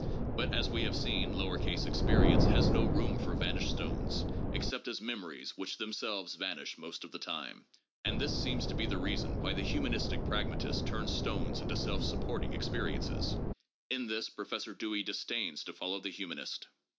But as we have seen, lower case experi ence has no room for vanished stones, except as memories which themselves vanish most of the time ; and this seems to be the reason why the humanistic pragmatist turns stones into self supporting ex periences. In this Professor Dewey disdains to follow the humanist.